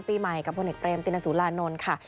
ปีใหม่กับพลเอกเรมตินสุรานนท์ค่ะ